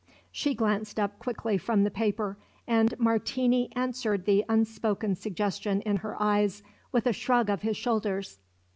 She glanced up quickly from the paper, and Martini answered the unspoken suggestion in her eyes with a shrug of his shoulders.